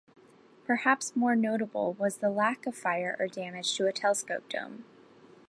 Perhaps more notable was the lack of fire or damage to a telescope dome.